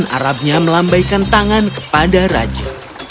dan teman arabnya melambaikan tangan kepada raja